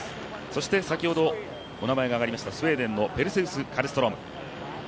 そして先ほど名前が挙がりましたスウェーデンのペルセウス・カルストローム。